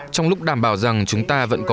trong lúc đảm bảo rằng chúng ta vẫn có